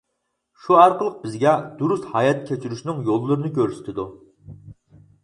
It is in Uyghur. شۇ ئارقىلىق بىزگە دۇرۇس ھايات كەچۈرۈشنىڭ يوللىرىنى كۆرسىتىدۇ.